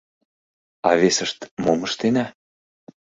А весышт: «Мом ыштена?